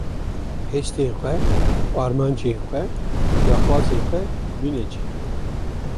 hestên xwe, armancên xwe, daxwazên xwe bîne cî.